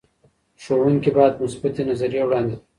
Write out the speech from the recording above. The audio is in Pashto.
ښوونکي باید مثبتې نظریې وړاندې کړي.